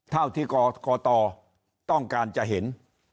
เท่าที่กตต้องการจะเห็น